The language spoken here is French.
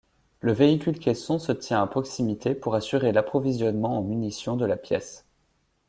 Le véhicule-caisson se tient à proximité pour assurer l’approvisionnement en munitions de la pièce.